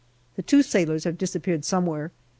The two sailors have disappeared somewhere.